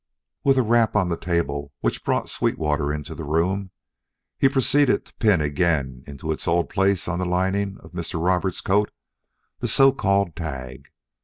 With a rap on the table which brought Sweetwater into the room, he proceeded to pin again into its old place on the lining of Mr. Roberts' coat the so called tag.